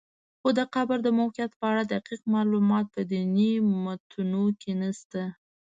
خو د قبر د موقعیت په اړه دقیق معلومات په دیني متونو کې نشته.